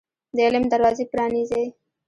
د علم دروازي پرانيزۍ